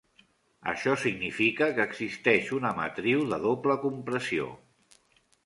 Això significa que existeix una matriu de doble compressió.